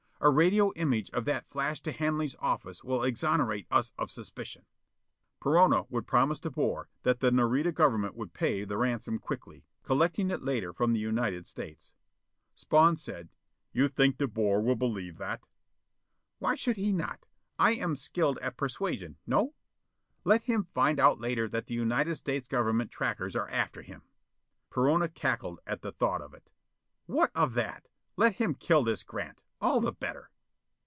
A radio image of that flashed to Hanley's office will exonerate us of suspicion." Perona would promise De Boer that the Nareda government would pay the ransom quickly, collecting it later from the United States. Spawn said, "You think De Boer will believe that?" "Why should he not? I am skilful at persuasion, no? Let him find out later that the United States Government trackers are after him!" Perona cackled at the thought of it. "What of that? Let him kill this Grant. All the better."